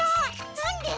なんで？